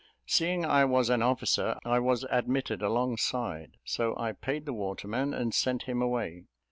Seeing I was an officer, I was admitted alongside; so I paid the waterman, and sent him away.